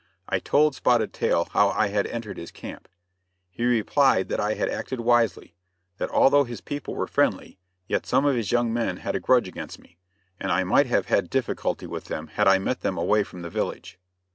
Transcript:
I told Spotted Tail how I had entered his camp. He replied that I had acted wisely; that although his people were friendly, yet some of his young men had a grudge against me, and I might have had difficulty with them had I met them away from the village.